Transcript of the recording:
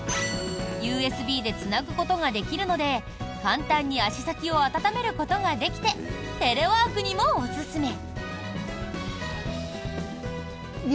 ＵＳＢでつなぐことができるので簡単に足先を温めることができてテレワークにもおすすめ。